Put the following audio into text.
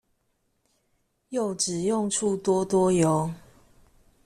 柚子用處多多唷